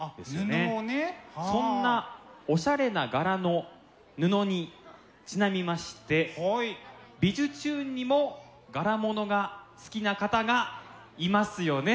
そんなおしゃれな柄の布にちなみまして「びじゅチューン！」にも柄物が好きな方がいますよね。